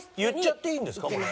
言っちゃっていいんですか？